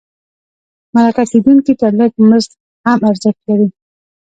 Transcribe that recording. مرکه کېدونکي ته لږ مزد هم ارزښت لري.